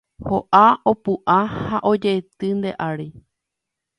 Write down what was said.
Ho'a, opu'ã ha ojeity nde ári